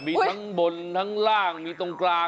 มีทั้งบนทั้งล่างมีตรงกลาง